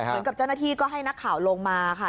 เหมือนกับเจ้าหน้าที่ก็ให้นักข่าวลงมาค่ะ